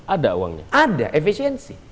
ada uangnya ada efisiensi